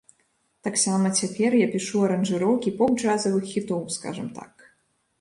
Таксама цяпер я пішу аранжыроўкі поп-джазавых хітоў, скажам так.